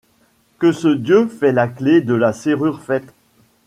Que ce Dieu fait la clef de la serrure faite